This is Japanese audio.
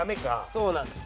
そうなんです。